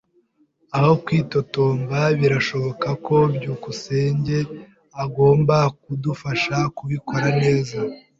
Aho kwitotomba, birashoboka ko byukusenge agomba kudufasha kubikora neza.